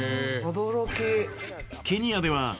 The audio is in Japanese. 「驚き！」